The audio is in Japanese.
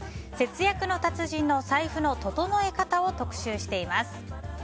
節約の達人の財布の整え方を特集しています。